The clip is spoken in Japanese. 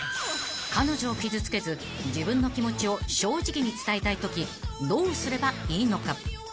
［彼女を傷つけず自分の気持ちを正直に伝えたいときどうすればいいのか］